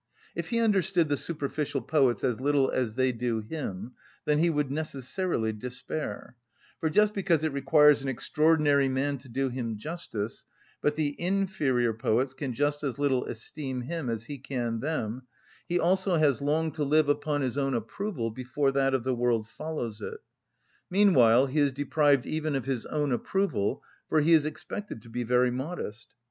If he understood the superficial poets as little as they do him, then he would necessarily despair; for just because it requires an extraordinary man to do him justice, but the inferior poets can just as little esteem him as he can them, he also has long to live upon his own approval before that of the world follows it. Meanwhile he is deprived even of his own approval, for he is expected to be very modest.